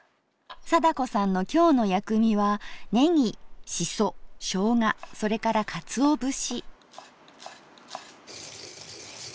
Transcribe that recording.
貞子さんの今日の薬味はねぎしそしょうがそれからかつお節。